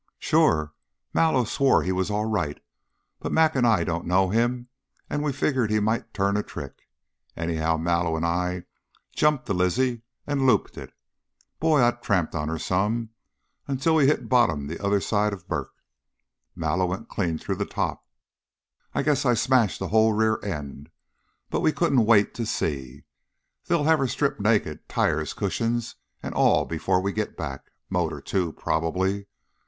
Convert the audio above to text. "Sure! Mallow swore he was all right, but Mac and I don't know him, and we figured he might turn a trick. Anyhow, Mallow and I jumped the Lizzie and looped it. Boy! I tramped on her some, until we hit bottom the other side of Burk. Mallow went clean through the top. I guess I smashed the whole rear end, but we couldn't wait to see. They'll have her stripped naked, tires, cushions, and all, before we get back. Motor, too, probably.